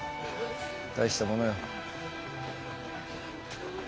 大したものよ。